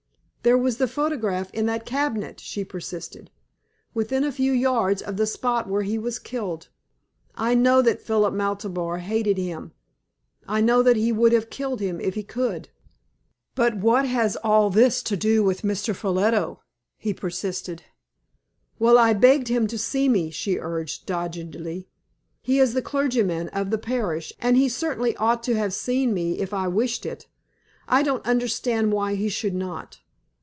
"There was the photograph in that cabinet," she persisted "within a few yards of the spot where he was killed. I know that Philip Maltabar hated him. I know that he would have killed him if he could." "But what has all this to do with Mr. Ffolliot?" he persisted. "Well, I begged him to see me," she urged, doggedly. "He is the clergyman of the parish, and he certainly ought to have seen me if I wished it. I don't understand why he should not.